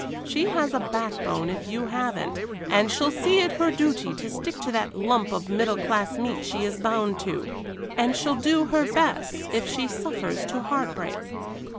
She has a backbone if you haven't; and she'll see it her duty to stick to that lump of middle class meat she is bound to and she'll do her best, if she suffers to heart break.